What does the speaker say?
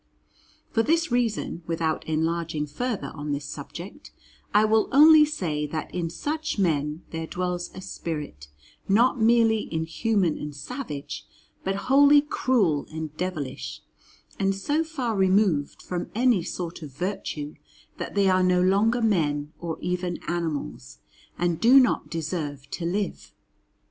For this reason, without enlarging further on this subject, I will only say that in such men there dwells a spirit not merely inhuman and savage but wholly cruel and devilish, and so far removed from any sort of virtue that they are no longer men or even animals, and do not deserve to live.